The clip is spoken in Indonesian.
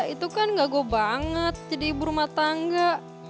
itu kan gagal banget jadi ibu rumah tangga